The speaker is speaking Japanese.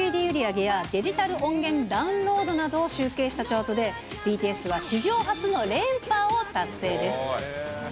売り上げやデジタル音源ダウンロードなどを集計したチャートで、ＢＴＳは史上初の連覇を達成です。